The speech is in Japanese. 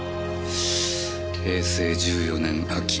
平成１４年秋。